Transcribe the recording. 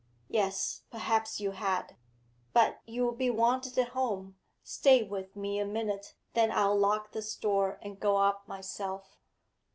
'Yes, perhaps you had. But you'll be wanted at home. Stay with me a minute, then I'll lock this door and go up myself.'